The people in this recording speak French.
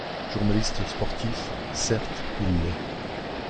Journaliste sportif, certes il l'est.